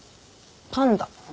パンダ。